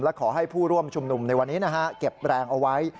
และขอให้ผู้ร่วมชุมนุมในวันนี้นะฮะเก็บแรงเอาไว้